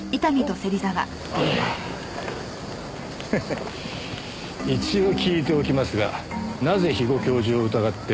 ハハッ一応聞いておきますがなぜ肥後教授を疑ってるんです？